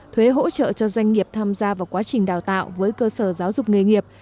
thuế hỗ trợ cho doanh nghiệp tham gia vào quá trình đào tạo với cơ sở giáo dục nghề nghiệp